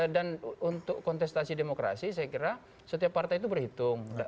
dan untuk kontestasi demokrasi saya kira setiap partai itu berhitung